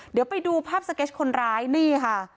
เดี๋ยวไปดูภาพสเก็ตคนร้ายนี่ค่ะ